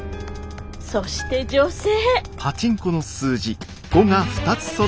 そして女性。